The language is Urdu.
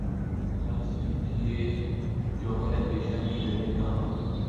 عرض کیجے جوہر اندیشہ کی گرمی کہاں